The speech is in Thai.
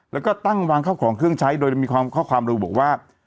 แล้วก็ตั้งวางเข้าของเครื่องใช้โดยมีข้อความระบุบอกว่า